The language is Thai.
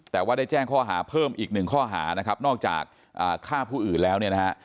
แต่ว่าได้แจ้งข้อหาเพิ่มอีกหนึ่งข้อหานะครับนอกจากฆ่าผู้อื่นแล้วเนี่ยนะฮะ